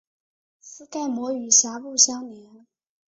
腮盖膜与峡部相连。